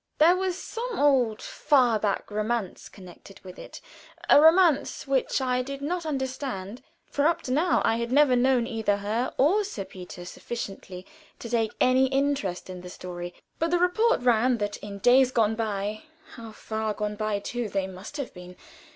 There was some old, far back romance connected with it a romance which I did not understand, for up to now I had never known either her or Sir Peter sufficiently to take any interest in the story, but the report ran that in days gone by how far gone by, too, they must have been!